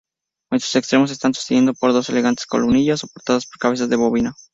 En sus extremos, está sostenido por dos elegantes columnillas soportadas por cabezas de bovino.